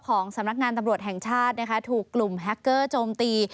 สำนักงานตำรวจแห่งชาตินะคะถูกกลุ่มแฮคเกอร์โจมตี